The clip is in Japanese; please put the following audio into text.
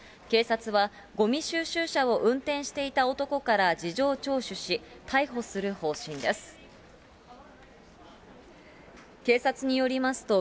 警察は、ごみ収集車を運転していた男から事情聴取し、逮捕する方針です。